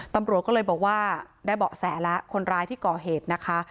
ตำรวจก็เลยบอกว่าได้เบาะแสแล้วคนร้ายที่ก่อเหตุนะคะ